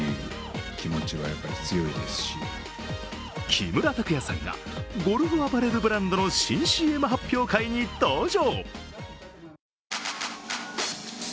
木村拓哉さんがゴルフアパレルブランドの新ＣＭ発表会に登場。